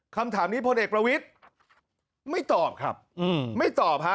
คำถามนี้พลเอกประวิทย์ไม่ตอบครับไม่ตอบฮะ